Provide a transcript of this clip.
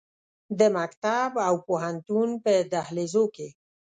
د مکتب او پوهنتون په دهلیزو کې